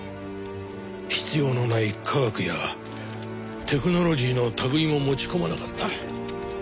必要のない科学やテクノロジーの類いも持ち込まなかった。